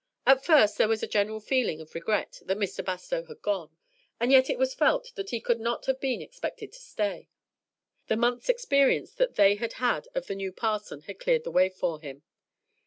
At first there was a general feeling of regret that Mr. Bastow had gone, and yet it was felt that he could not have been expected to stay; the month's experience that they had had of the new parson had cleared the way for him.